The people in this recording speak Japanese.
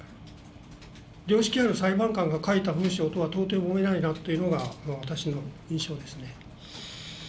良識ある裁判官が書いた文章とは到底思えないなというのが私の印象ですね。